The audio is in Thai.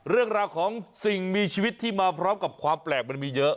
เรื่องราวของสิ่งมีชีวิตที่มาพร้อมกับความแปลกมันมีเยอะ